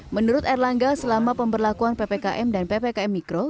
menurut erlangga selama pemberlakuan ppkm dan ppkm mikro